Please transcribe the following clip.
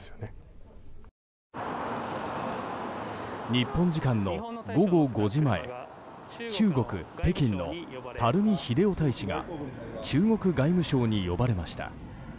日本時間の午後５時前中国・北京の垂秀夫大使が中国外務省に呼ばれました。